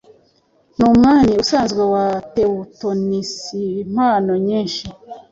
Numwami usanzwe wa Teutonicimpano nyinshi